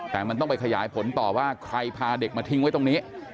แต่มันต้องไปขยายผลต่อว่าใครพาเด็กมาทิ้งไว้ตรงนี้